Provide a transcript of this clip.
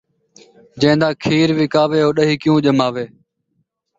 جین٘دا کھیر وِکاوے ، او ݙہی کیوں ڄماوے